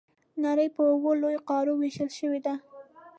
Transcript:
نړۍ په اووه لویو قارو وېشل شوې ده.